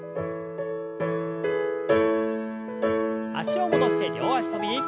脚を戻して両脚跳び。